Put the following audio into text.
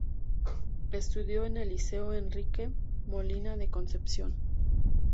Estudió en el Liceo Enrique Molina de Concepción.